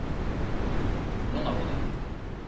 —Nunha voda.